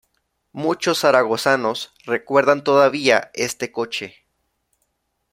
Muchos zaragozanos recuerdan todavía este coche.